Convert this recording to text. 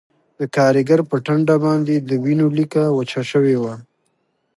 د کارګر په ټنډه باندې د وینو لیکه وچه شوې وه